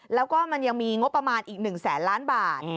แล้วก็มันยังมีงบประมาณอีก๑แสนล้านบาท